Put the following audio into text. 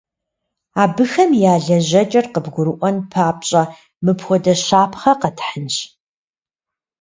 Абыхэм я лэжьэкӏэр къыбгурыӏуэн папщӏэ, мыпхуэдэ щапхъэ къэтхьынщ.